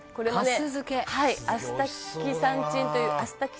「粕漬け」「アスタキサンチンというね